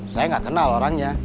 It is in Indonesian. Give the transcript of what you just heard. saya gak kenal orangnya